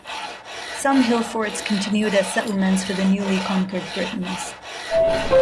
Some hill forts continued as settlements for the newly conquered Britons.